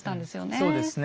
そうですね。